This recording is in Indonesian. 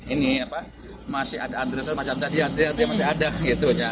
ini apa masih ada adria tapi masih ada dia masih ada gitu ya